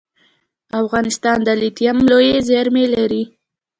افغانستان د لیتیم لویې زیرمې لري